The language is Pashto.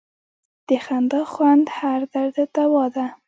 د خندا خوند هر درد ته دوا ده.